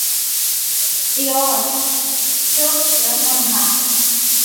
Seoul: Silcheon Munhak.